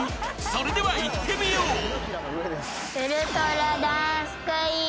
［それではいってみよう！］